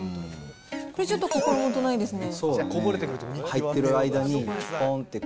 これちょっと、心もとないですね